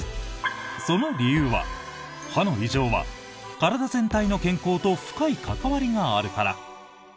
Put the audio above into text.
その理由は歯の異常は体全体の健康と深い関わりがあるから。